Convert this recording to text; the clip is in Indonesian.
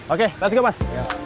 oke berhenti kemas